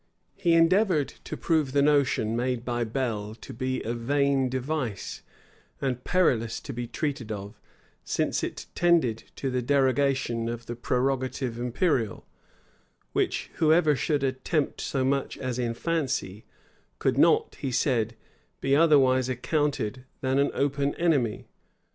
He endeavored to prove the motion made by Bell to be a vain device, and perilous to be treated of; since it tended to the derogation of the prerogative imperial, which whoever should attempt so much as in fancy, could not, he said, be otherwise accounted than an open enemy.